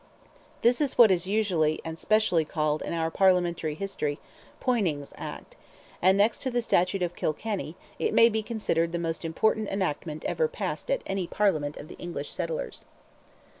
This is what is usually and specially called in our Parliamentary history "Poyning's Act," and next to the Statute of Kilkenny, it may be considered the most important enactment ever passed at any Parliament of the English settlers.